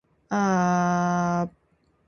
Cantik sekali!